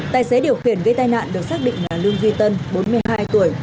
tài xế điều khiển gây tai nạn được xác định là lương duy tân bốn mươi hai tuổi